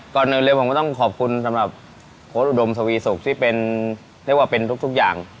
ก่อนอื่นเลยผมก็ต้องขอบคุณสำหรับโค้ดอุดมทวีสุกที่เป็นเรียกว่าเป็นทุกอย่าง